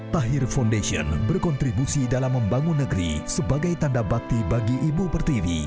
tahir foundation berkontribusi dalam membangun negeri sebagai tanda bakti bagi ibu pertiwi